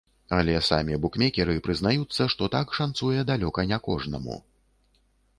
Але самі букмекеры прызнаюцца, што так шанцуе далёка не кожнаму.